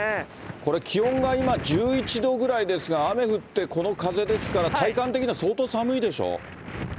これ、気温が今１１度ぐらいですが、雨降ってこの風ですから、体感的には相当寒いでしょ。